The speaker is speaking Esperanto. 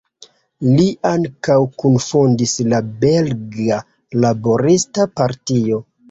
Li ankaŭ kunfondis la Belga Laborista Partio.